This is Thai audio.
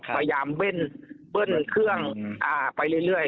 พยายามเบิ้ลเครื่องไปเรื่อย